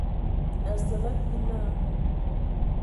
Asǝlǝg kig naa.